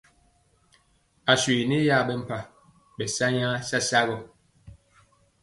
Aswe ni yaɓɛ mpa, ɓɛ sa nyaa sasa gɔ.